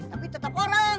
tapi tetap orang